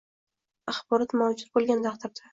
axborot mavjud bo‘lgan taqdirda